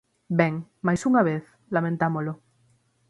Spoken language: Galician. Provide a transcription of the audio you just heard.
Ben, máis unha vez, lamentámolo.